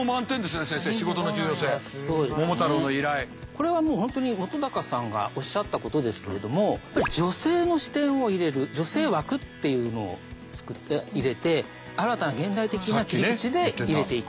これはもう本当に本さんがおっしゃったことですけれども女性の視点を入れる「女性枠」っていうのを入れて新たな現代的な切り口で入れていく。